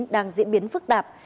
đang diễn biến phức tạp